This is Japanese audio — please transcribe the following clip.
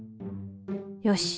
よし！